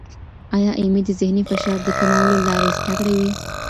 ایا ایمي د ذهني فشار د کمولو لارې زده کړې وې؟